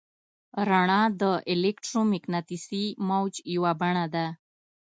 رڼا د الکترومقناطیسي موج یوه بڼه ده.